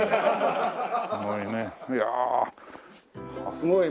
すごいね。